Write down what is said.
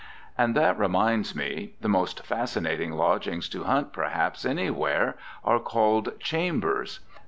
And that reminds me: the most fascinating lodgings to hunt, perhaps, anywhere, are called "chambers."